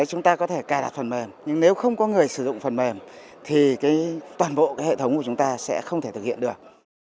chúng ta có thể cài đặt phần mềm nhưng nếu không có người sử dụng phần mềm thì toàn bộ hệ thống của chúng ta sẽ không thể thực hiện được